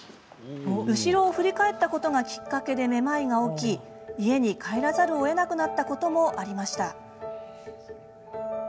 後ろを振り返ったことがきっかけでめまいが起き家に帰らざるをえなくなったこともありました。